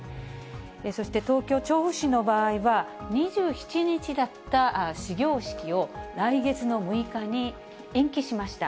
そして東京・調布市の場合は、２７日だった始業式を、来月の６日に延期しました。